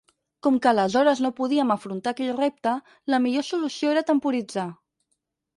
Com que aleshores no podíem afrontar aquell repte, la millor solució era temporitzar.